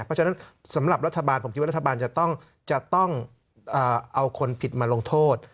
เพราะฉะนั้นสำหรับรัฐบาลผมคิดว่ารัฐบาลจะต้องเอาคนผิดมาลงโทษ